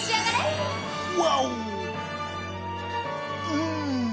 うん。